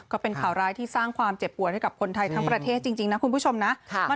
ก็เป็นข่าวร้ายที่สร้างความเจ็บปวดให้กับคนไทยทั้งประเทศจริงนะคุณผู้ชมนะ